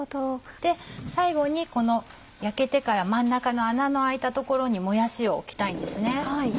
で最後に焼けてから真ん中の穴の空いた所にもやしを置きたいんです。